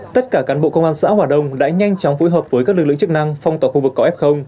tất cả cán bộ công an xã hòa đông đã nhanh chóng phối hợp với các lực lượng chức năng phong tỏa khu vực có f